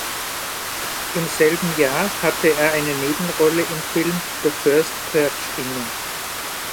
Im selben Jahr hatte er eine Nebenrolle im Film "The First Purge" inne.